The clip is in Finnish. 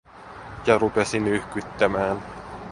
Ja rupesi nyyhkyttämään.